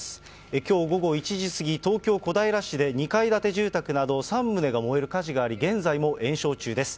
きょう午後１時過ぎ、東京・小平市で、２階建て住宅など、３棟が燃える火事があり、現在も延焼中です。